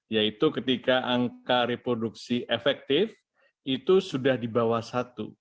yaitu ketika angka reproduksi efektif itu sudah di bawah satu